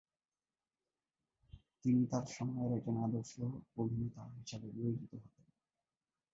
তিনি তাঁর সময়ের একজন আদর্শ অভিনেতা হিসাবে বিবেচিত হতেন।